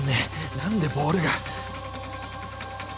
何でボールが！？